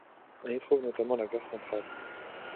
On y trouve notamment la gare centrale.